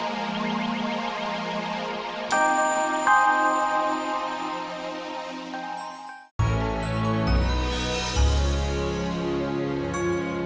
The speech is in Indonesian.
terima kasih sakti